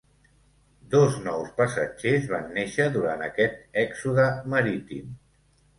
Dos nous passatgers van néixer durant aquest èxode marítim.